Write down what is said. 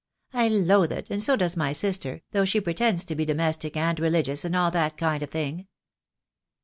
"I loathe it, and so does my sister, though she pre tends to be domestic and religious and all that kind of thing.